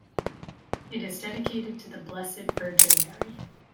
It is dedicated to the Blessed Virgin Mary.